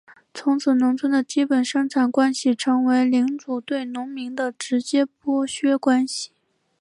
从此农村的基本生产关系成为领主对农民的直接剥削关系。